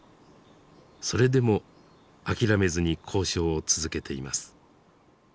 それでも諦めずに交渉を続けています。